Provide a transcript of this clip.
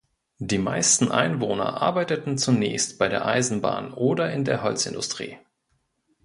Die meisten Einwohner arbeiteten zunächst bei der Eisenbahn oder in der Holzindustrie.